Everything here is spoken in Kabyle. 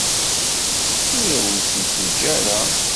Ur awen-t-id-teǧǧa ara.